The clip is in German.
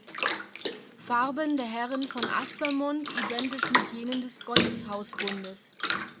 Farben der Herren von Aspermont, identisch mit jenen des Gotteshausbundes.